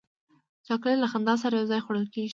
چاکلېټ له خندا سره یو ځای خوړل کېږي.